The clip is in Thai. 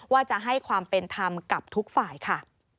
ว่าจะให้ความเป็นธรรมกับทุกฝ่ายค่ะ